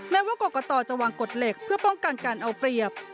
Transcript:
แม้ว่ากรกตจะวางกฎเหล็กเพื่อป้องกันการเอาเปรียบ